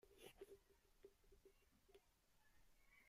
Башкача кандай болуш керек эле?